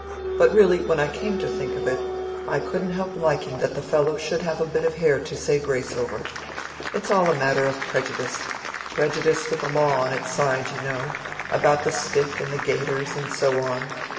But really, when I came to think of it, I couldn't help liking that the fellow should have a bit of hare to say grace over. It's all a matter of prejudice—prejudice with the law on its side, you know—about the stick and the gaiters, and so on.